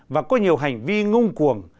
và có nhiều hành vi ngung cuồng